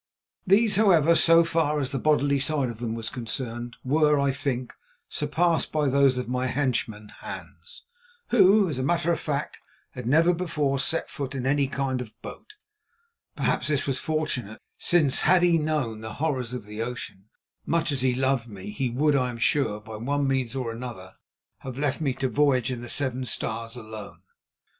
These, however, so far as the bodily side of them was concerned, were, I think, surpassed by those of my henchman Hans, who, as a matter of fact, had never before set foot in any kind of boat. Perhaps this was fortunate, since had he known the horrors of the ocean, much as he loved me, he would, I am sure, by one means or another, have left me to voyage in the Seven Stars alone.